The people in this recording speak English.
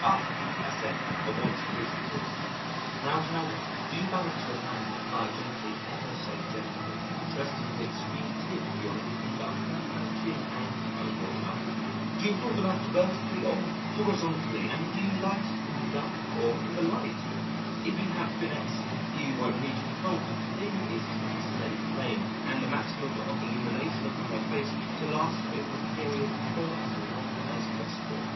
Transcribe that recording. "Ah!" I said at once appreciative, "now tell me, do you balance your hand by gently (ever so gently) resting the extreme tip of your little finger upon her chin, and" (I was warming up) "do you hold the match vertically or horizontally, and do you light it in the dark or in the light? If you have finesse, you won't need to be told that the thing is to get a steady flame and the maximum of illumination upon her face to last over a period for as long as possible."